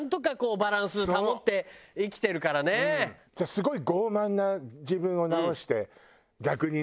すごい傲慢な自分を直して逆にね